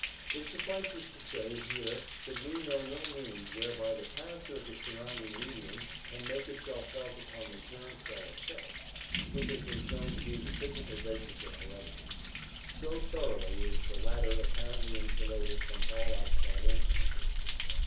It suffices to say here that we know no means whereby the character of the surrounding medium can make itself felt upon the germ cell itself (which has been shown to be the physical basis of heredity), so thoroughly is the latter ap parently insulated from all outside influences.